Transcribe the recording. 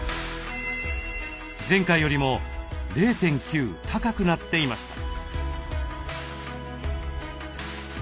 前回よりも０．９高くなっていました。